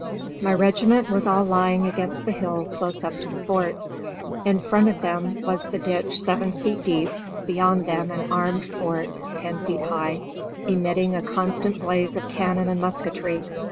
My regiment was all lying against the hill close up to the fort. In front of them was the ditch seven feet deep, beyond them an armed fort ten feet high, emitting a constant blaze of cannon and musketry.